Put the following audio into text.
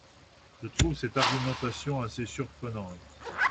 Je trouve cette argumentation assez surprenante.